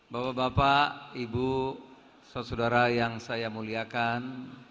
bapak bapak ibu saudara yang saya muliakan